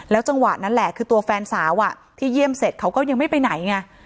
จังหวะนั้นแหละคือตัวแฟนสาวที่เยี่ยมเสร็จเขาก็ยังไม่ไปไหนไง